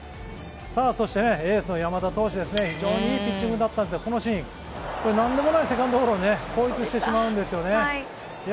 そして、エースの山田投手、非常にいいピッチングだったんですが、このシーン。何でもないセカンドゴロ、捕逸してしまうんです。